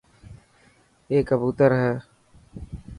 اي ڪبوتر هي.